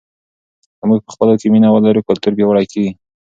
که موږ په خپلو کې مینه ولرو کلتور پیاوړی کیږي.